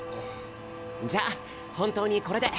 じゃ本当にこれで！